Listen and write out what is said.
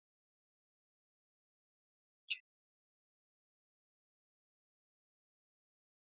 غول د درد چیغه ده.